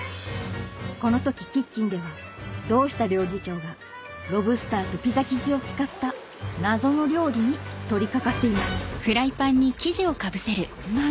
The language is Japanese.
この時キッチンでは堂下料理長がロブスターとピザ生地を使った謎の料理に取り掛かっています何？